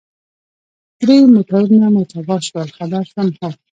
درې موټرونه مو تباه شول، خبر شوم، هو.